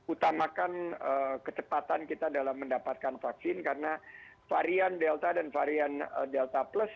utamakan kecepatan kita dalam mendapatkan vaksin karena varian delta dan varian delta plus